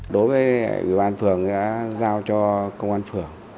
đối với ủy ban phường đã giao cho công an phường